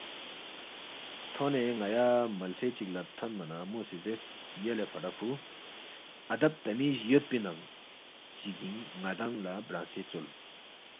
تھونے ن٘یا ملسے چِک لہ تھونما نہ مو سی زیرس، ’یلے فڑا فرُو، اَدب تمیز یودپی ننگ چِگِنگ ن٘دانگ لہ برانگسے ژول